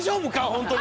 本当に。